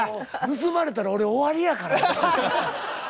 盗まれたら俺終わりやからな。